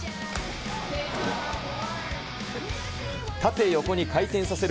縦横に回転させる